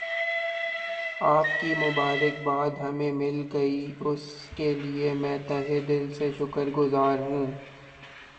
آپ کی مبارک باد ہمیں مل گئی اس کے لئے میں تہہ دل سے شکر گزار ہوں